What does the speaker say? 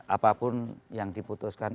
apapun yang diputuskan